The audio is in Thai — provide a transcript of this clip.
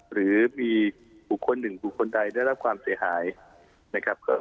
หรือมีบุคคลหนึ่งบุคคลใดได้รับความเสียหายนะครับ